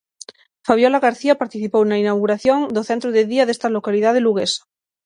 Fabiola García participou na inauguración do centro de día desta localidade luguesa.